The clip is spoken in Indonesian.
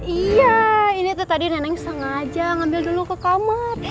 iya ini tuh tadi nenek sengaja ngambil dulu ke kamar